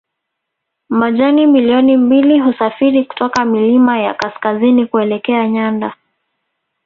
Majani milioni mbili husafiri kutoka milima ya kaskazini kuelekea nyanda